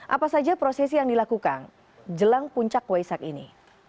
apa saja prosesi yang dilakukan jelang puncak waisak ini